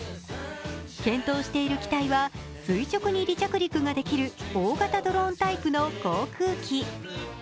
検討している機体は垂直に離着陸ができる大型ドローンタイプの航空機。